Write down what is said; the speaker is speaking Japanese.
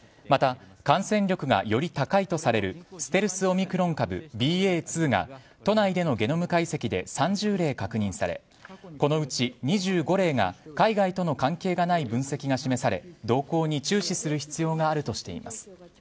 また、感染力がより高いとされるステルスオミクロン株ＢＡ．２が都内でのゲノム解析で３０例確認されこのうち２５例が海外との関係がない分析が示され動向に注視する必要があるとしています。